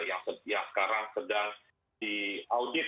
yang sekarang sedang diaudit